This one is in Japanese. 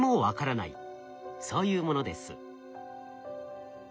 そういうものです。